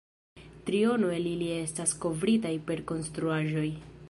Triono el ili estas kovritaj per konstruaĵoj.